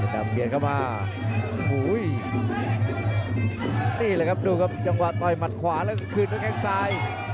แต่เบียดเข้ามาโอ้โหนี่แหละครับดูครับจังหวะต่อยหมัดขวาแล้วคืนด้วยแข้งซ้าย